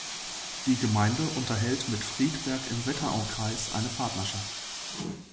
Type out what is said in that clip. Die Gemeinde unterhält mit Friedberg im Wetteraukreis eine Partnerschaft.